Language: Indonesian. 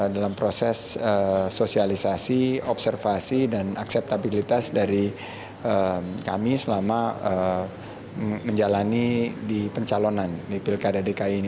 dalam proses sosialisasi observasi dan akseptabilitas dari kami selama menjalani di pencalonan di pilkada dki ini